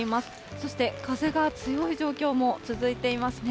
そして風が強い状況も続いていますね。